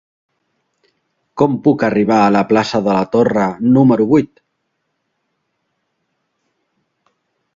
Com puc arribar a la plaça de la Torre número vuit?